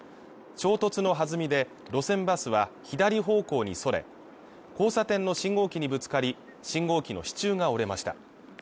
衝突の弾みで路線バスは左方向にそれ交差点の信号機にぶつかり信号機の支柱が折れました